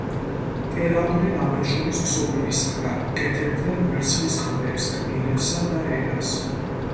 კერავდნენ აბრეშუმის ქსოვილისაგან, უკეთებდნენ ვერცხლის ყბებს, კბილებსა და ენას.